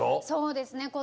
そうですね